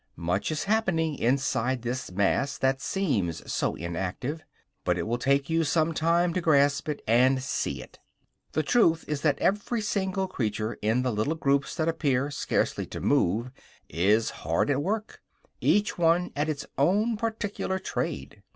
Much is happening inside this mass that seems so inactive, but it will take you some time to grasp it and see it. The truth is that every single creature in the little groups that appear scarcely to move is hard at work, each one at its own particular trade.